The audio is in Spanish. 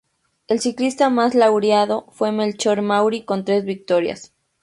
El ciclista más laureado fue Melchor Mauri, con tres victorias.